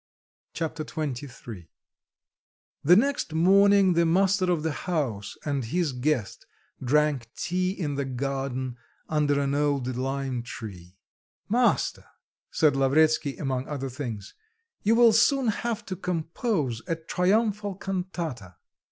Chapter XXIII The next morning the master of the house and his guest drank tea in the garden under an old time tree. "Master!" said Lavretsky among other things, "you will soon have to compose a triumphal cantata."